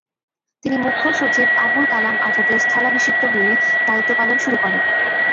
তিনি মুখ্য সচিব আবুল কালাম আজাদের স্থলাভিষিক্ত হয়ে দায়িত্ব পালন শুরু করেন।